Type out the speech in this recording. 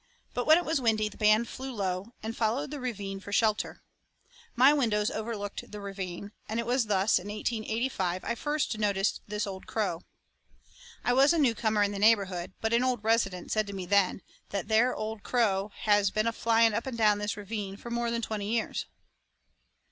But when it was windy the band flew low, and followed the ravine for shelter. My windows overlooked the ravine, and it was thus that in 1885 I first noticed this old crow. I was a newcomer in the neighborhood, but an old resident said to me then "that there old crow has been a flying up and down this ravine for more than twenty years."